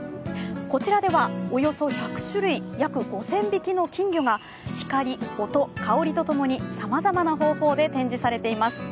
こちらでは、およそ１００種類、約５０００匹の金魚が光、音、香りとともにさまざまな方法で展示されています。